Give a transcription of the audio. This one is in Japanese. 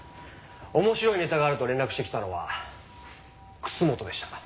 面白いネタがあると連絡してきたのは楠本でした。